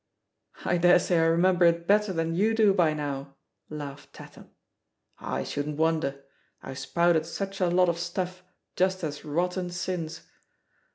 "I daresay I remember it better than you do by now/* laughed Tatham. "I shouldn't wonder — IVe spouted such a lot of stuff just as rotten since.